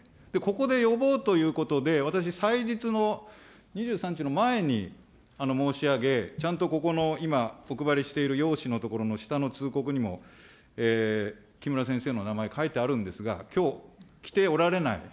ここで呼ぼうということで、私、祭日の２３日の前に申し上げ、ちゃんとここの今、お配りしている要旨のところの下の通告にも、木村先生の名前、書いてあるんですが、きょう来ておられない。